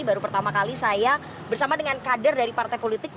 baru pertama kali saya bersama dengan kader dari partai politik